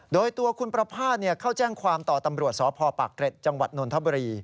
โดยตัวคุณประภาษณเข้าแจ้งความต่อตำรวจสพปากเกร็ดจังหวัดนนทบุรี